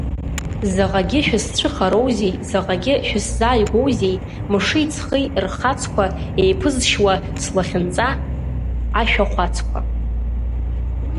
Заҟагьы шәысцәыхароузеи, заҟагьы шәысзааигәозеи, мши-ҵхи рхацқәа еиԥызшьуа слахьынҵа ашәахәацқәа!